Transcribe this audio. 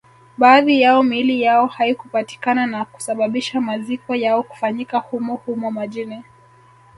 Baadhi yao miili yao haikupatikana na kusababisha maziko yao kufanyika humo humo majini